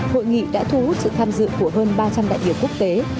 hội nghị đã thu hút sự tham dự của hơn ba trăm linh đại biểu quốc tế